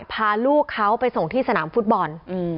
พาลูกเขาไปส่งที่สนามฟุตบอล